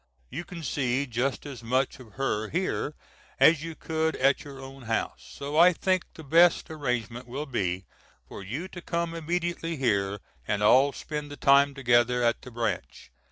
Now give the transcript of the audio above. You can see just as much of her here as you could at your own house; so I think the best arrangement will be for you to come immediately here and all spend the time together at the Branch.